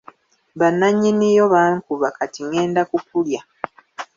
Bananyini yo bankuba kati ngenda ku kulya.